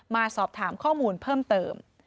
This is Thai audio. มาสอบถามข้อมูลเพิ่มเติม